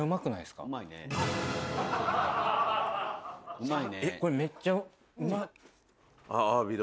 うまいね。